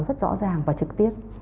rất rõ ràng và trực tiếp